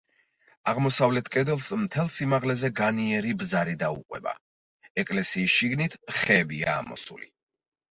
აღმოსავლეთ კედელს მთელ სიმაღლეზე განიერი ბზარი დაუყვება; ეკლესიის შიგნით ხეებია ამოსული.